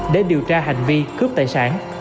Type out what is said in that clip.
để điều tra hành vi cướp tài sản